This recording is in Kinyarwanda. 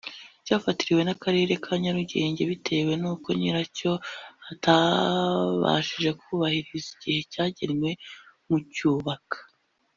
cyafatiriwe n’Akarere ka Nyarugenge bitewe n’uko nyiracyo atabashije kubahiriza igihe cyagenwe mu kucyubaka